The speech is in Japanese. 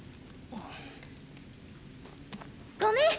ごめん！